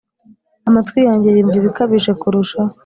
amatwi yanjye yumva ibikabije kurushaho